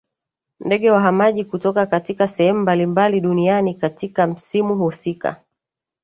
ndege wahamaji kutoka katika sehemu mbalimbali duniani katika msimu husika